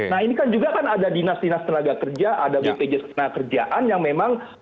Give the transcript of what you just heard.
nah ini kan juga kan ada dinas dinas tenaga kerja ada bpjs tenaga kerjaan yang memang